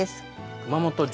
熊本城。